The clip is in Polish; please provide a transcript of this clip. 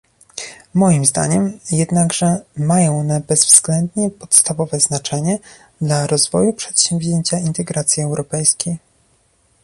Moim zdaniem, jednakże, mają one bezwzględnie podstawowe znaczenie dla rozwoju przedsięwzięcia integracji europejskiej